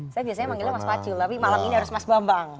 saya biasanya manggilnya mas pacul tapi malam ini harus mas bambang